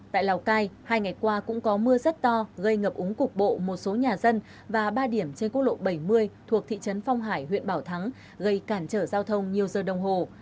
tại lào cai hai ngày qua cũng có mưa rất to gây ngập úng cục bộ một số nhà dân và ba điểm trên quốc lộ bảy mươi thuộc thị trấn phong hải huyện bảo thắng gây cản trở giao thông nhiều giờ đồng hồ